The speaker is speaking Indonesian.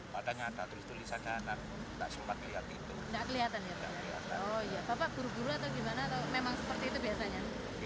padahal ada tulis tulisan dan tak sempat melihat itu